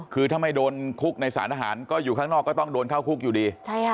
คือถ้าไม่โดนคุกในสารอาหารก็อยู่ข้างนอกก็ต้องโดนเข้าคุกอยู่ดี